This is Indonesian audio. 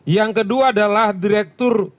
yang kedua adalah direktur